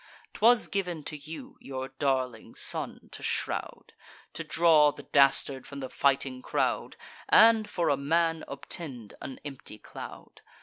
'Twas giv'n to you, your darling son to shroud, To draw the dastard from the fighting crowd, And, for a man, obtend an empty cloud.